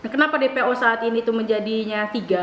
kenapa dpo saat ini itu menjadinya tiga